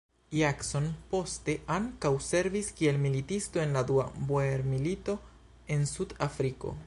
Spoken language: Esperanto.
Jackson poste ankaŭ servis kiel militisto en la dua Boer-milito en Sud-Afriko.